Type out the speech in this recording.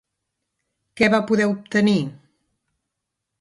Què va poder obtenir?